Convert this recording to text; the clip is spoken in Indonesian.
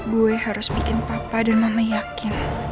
gue harus bikin papa dan mama yakin